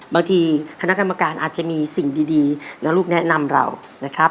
บางทีคณะกรรมการอาจจะมีสิ่งดีนะลูกแนะนำเรานะครับ